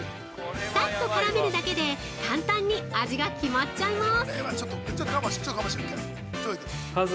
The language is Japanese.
さっと絡めるだけで、簡単に味が決まっちゃいます。